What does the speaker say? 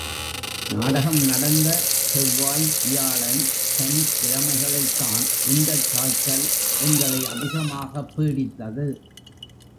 நாடகம் நடந்த செவ்வாய், வியாழன், சனிக்கிழமைகளில்தான் இந்தக் காய்ச்சல் எங்களை அதிகமாகப் பீடித்தது.